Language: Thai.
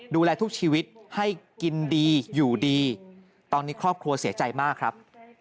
ดูแลทุกชีวิตให้กินดีอยู่ดีตอนนี้ครอบครัวเสียใจมากครับ